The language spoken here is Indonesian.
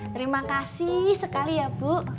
terima kasih sekali ya bu